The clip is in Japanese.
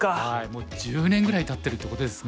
もう１０年ぐらいたってるってことですが。